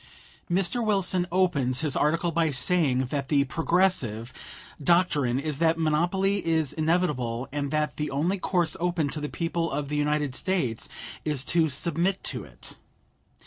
Mr. Wilson opens his article by saying that the Progressive "doctrine is that monopoly is inevitable, and that the only course open to the people of the United States is to submit to it."